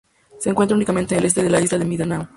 Se encuentra únicamente en el este de la isla de Mindanao.